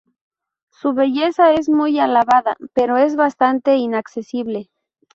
Su belleza es muy alabada, pero es bastante inaccesible.